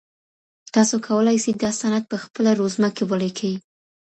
تاسو کولای سئ دا سند په خپله رزومه کي ولیکئ.